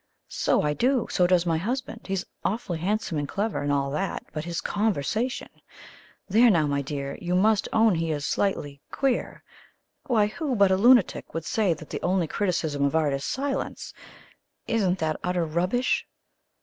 "So I do. So does my husband. He's awfully handsome and clever, and all that but his conversation! There now, my dear, you must own he is slightly QUEER. Why, who but a lunatic would say that the only criticism of art is silence? Isn't that utter rubbish?"